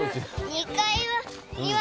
２階には。